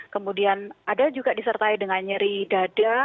kemudian ada juga disertai dengan nyeri dada